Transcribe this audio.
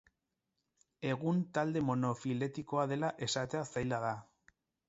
Egun talde monofiletikoa dela esatea zaila da.